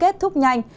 kết thúc nhanh